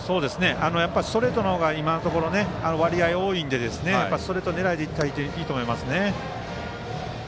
ストレートの方が今のところ割合が多いのでストレート狙いでいいと思います。